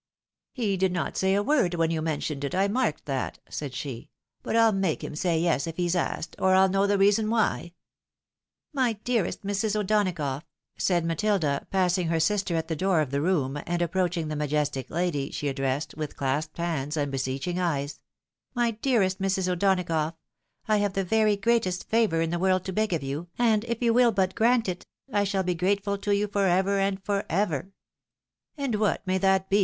" He did not say a word when you mentioned it, I marked that," said she ;" but PU make him say yes, if he's asked, or I'll know the reason why." o 226 THE WIDOW MARKTED. " My dearest Mrs. O'Donagougli !" said Matilda, passing her sister at the door of the room and approaching the majestic lady she addressed with clasped hands and beseeching eyes, " My dearest Mrs. O'Donagough ! I have the very greatest favour in the world to beg of you, and if you will but grant it, I shall be grateful to you for ever and for ever !" "And what may that be.